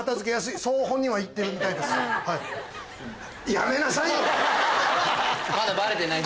やめなさいよ！